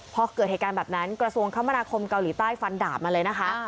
พอเกิดเหตุการณ์แบบนั้นกระทรวงคมนาคมเกาหลีใต้ฟันดาบมาเลยนะคะ